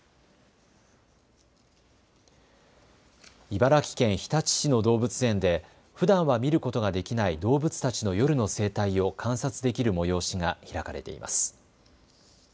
茨城県日立市の動物園でふだんは見ることができない動物たちの夜の生態を観察できる催しが開かれています。